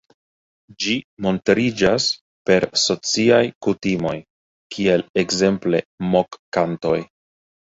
Ĝi montriĝas per sociaj kutimoj, kiel ekzemple mok-kantoj.